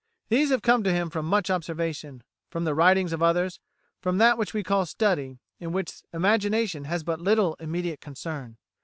These have come to him from much observation, from the writings of others, from that which we call study, in which imagination has but little immediate concern.